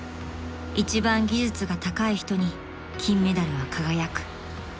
［一番技術が高い人に金メダルは輝く］